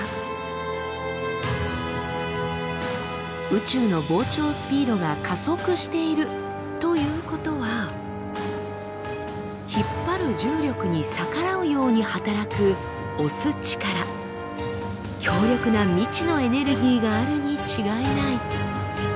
宇宙の膨張スピードが加速しているということは引っ張る重力に逆らうように働く押す力強力な未知のエネルギーがあるに違いない。